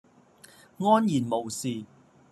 安然無事